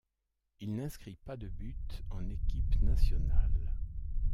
Il n'inscrit pas de but en équipe nationale.